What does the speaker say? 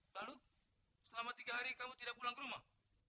lalu selama tiga hari kamu tidak pulang ke rumah